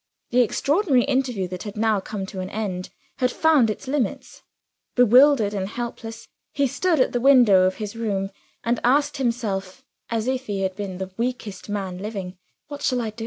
The extraordinary interview that had now come to an end had found its limits. Bewildered and helpless, he stood at the window of his room, and asked himself (as if he had been the weakest man living), "What shall I do?"